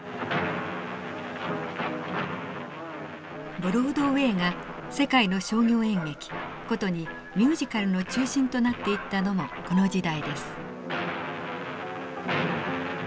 ブロードウェイが世界の商業演劇ことにミュージカルの中心となっていったのもこの時代です。